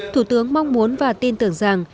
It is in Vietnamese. thủ tướng mong muốn và tin tưởng rằng